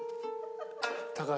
高橋。